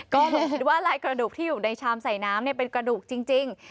ก็หนูคิดว่าลายกระดูกที่อยู่ในชามใส่น้ำเป็นกระดูกจริง